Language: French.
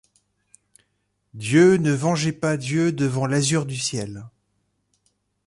Dieu ne vengé pas Dieu devant l’azur-du ciel.